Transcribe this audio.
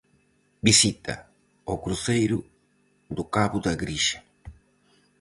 Visita ao cruceiro do Cabo da Grixa.